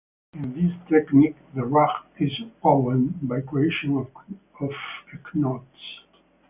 In this technique the rug is woven by creation of knots.